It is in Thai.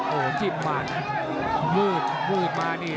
อ่แบบนี้หืดมานี่